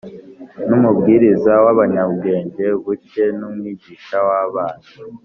n’umubwiriza w’abanyabwenge buke n’umwigisha w’abana